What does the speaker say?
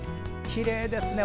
きれいですね。